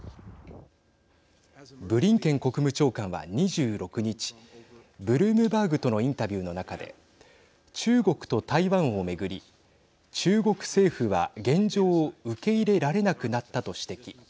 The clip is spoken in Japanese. ブリンケン国務長官は２６日ブルームバーグとのインタビューの中で中国と台湾を巡り中国政府は現状を受け入れられなくなったと指摘。